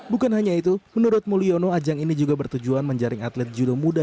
bukan hanya itu menurut mulyono ajang ini juga bertujuan menjaring atlet judo muda